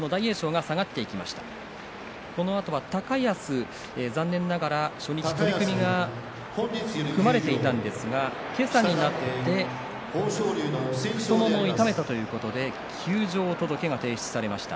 このあとは高安残念ながら初日、取組は組まれていたんですが今朝になって太ももを痛めたということで休場届が提出されました。